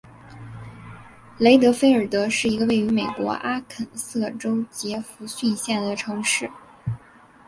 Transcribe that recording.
雷德菲尔德是一个位于美国阿肯色州杰佛逊县的城市。